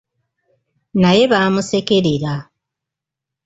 Naye baamusekerera.